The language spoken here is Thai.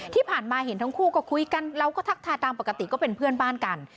ที่ผ่านมาเห็นทั้งคู่ก็คุยกันเราก็ทักทายตามปกติก็เป็นเพื่อนบ้านกัน